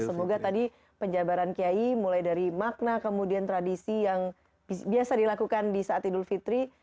semoga tadi penjabaran kiai mulai dari makna kemudian tradisi yang biasa dilakukan di saat idul fitri